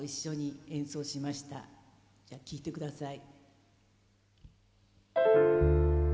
じゃあ聴いて下さい。